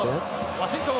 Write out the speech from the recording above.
ワシントーン！